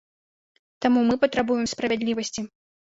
Таму мы патрабуем справядлівасці.